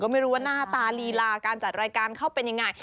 ไม่รู้ว่าหน้าตาลีลาการจัดรายการเขาเป็นยังไง